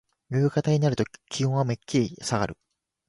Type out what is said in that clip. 夕方になると気温はめっきりとさがる。